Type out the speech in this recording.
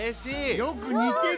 よくにてる！